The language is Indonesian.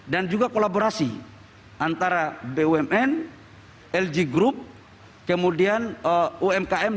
dan juga kolaborasi antara bumn lg group kemudian umkm